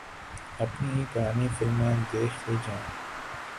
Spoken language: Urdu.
اپنی ہی پرانی فلمیں دیکھ لی جائیں۔